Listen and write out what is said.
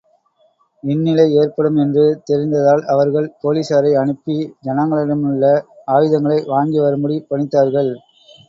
இந்நிலை ஏற்படும் என்று தெரிந்ததால் அவர்கள் போலிஸாரை அனுப்பி ஜனங்களிடமுள்ள ஆயுதங்களை வாங்கி வரும்படி பணித்தார்கள்.